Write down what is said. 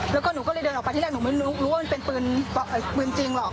แล้วก็หนูก็เลยเดินออกไปที่แรกหนูไม่รู้ว่ามันเป็นปืนจริงหรอก